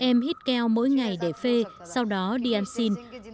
khi em mới tuổi em hít keo mỗi ngày để phê sau đó đi ăn xin